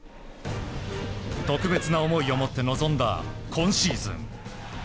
特別な思いを持って臨んだ今シーズン。